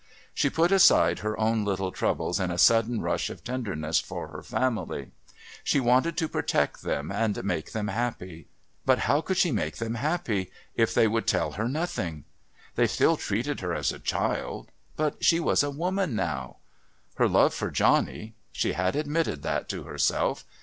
She put aside her own little troubles in a sudden rush of tenderness for her family. She wanted to protect them all and make them happy. But how could she make them happy if they would tell her nothing? They still treated her as a child but she was a woman now. Her love for Johnny. She had admitted that to herself.